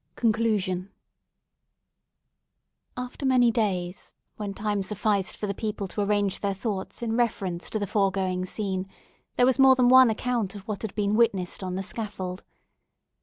CONCLUSION After many days, when time sufficed for the people to arrange their thoughts in reference to the foregoing scene, there was more than one account of what had been witnessed on the scaffold.